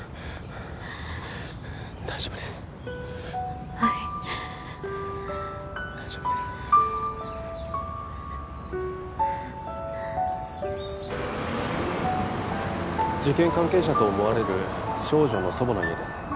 大丈夫ですはい大丈夫です事件関係者と思われる少女の祖母の家です